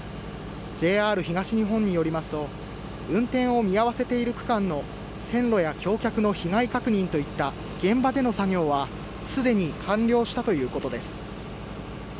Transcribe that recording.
ＪＲ東日本によりますと運転を見合わせている区間の線路や橋脚の被害確認といった現場での作業はすでに完了したということです。